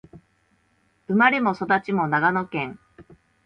生まれも育ちも長野県